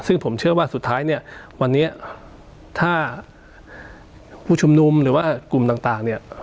ซึ่งผมเชื่อว่าสุดท้ายเนี่ยวันนี้ถ้าผู้ชุมนุมหรือว่ากลุ่มต่างเนี่ย